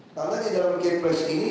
karena di dalam kepres ini